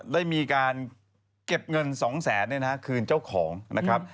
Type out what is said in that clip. ได้มีการเก็บเงิน๒แสนคืนเจ้าของนะครับ